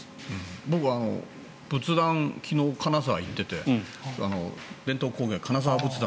僕、仏壇昨日、金沢に行っていて伝統工芸、金沢仏壇